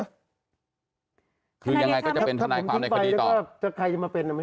ถ้าผมทิ้งไปแล้วก็ใครจะมาเป็น